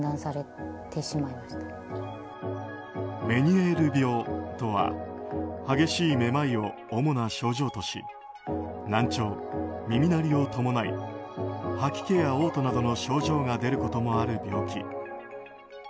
メニエール病とは激しいめまいを主な症状とし難聴、耳鳴りを伴い吐き気や嘔吐などの症状が出ることもある病気。